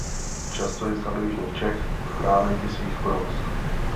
Často jezdila do jižních Čech pro náměty svých próz.